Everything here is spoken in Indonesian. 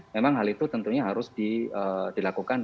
memang hal itu tentunya harus dilakukan